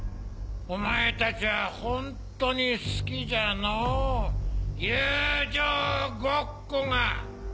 お前たちはホントに好きじゃのう友情ごっこが。